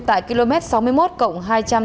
tại km sáu mươi một cộng hai trăm tám mươi sáu